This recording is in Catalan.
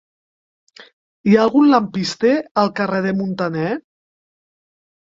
Hi ha algun lampista al carrer de Muntaner?